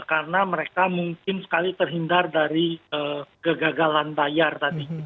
karena mereka mungkin sekali terhindar dari kegagalan bayar tadi